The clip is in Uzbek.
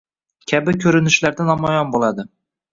kabi ko‘rinishlarda namoyon bo‘ladi.